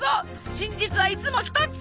真実はいつもひとつ！